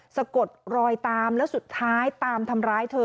สะกดรอยตามแล้วสุดท้ายตามทำร้ายเธอ